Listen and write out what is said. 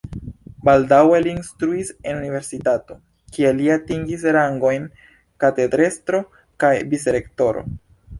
Baldaŭe li instruis en universitato, kie li atingis rangojn katedrestro kaj vicrektoro.